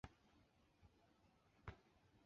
小樽港进入了战前的全盛时期。